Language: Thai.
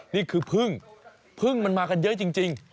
นี่คือพึ่งพึ่งมันมากันเยอะจริง